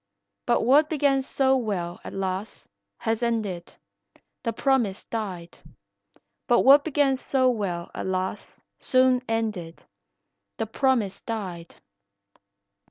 But what began so well, alas, has ended , The promise died. But what began so well alas soon ended , The promise died.